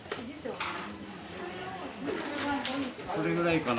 これぐらいかな。